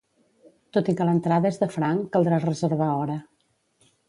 Tot i que l’entrada és de franc, caldrà reservar hora.